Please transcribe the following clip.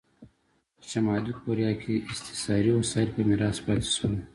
په شلي کوریا کې استثاري وسایل په میراث پاتې شول.